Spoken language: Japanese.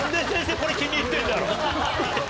これ気に入ってんだろう？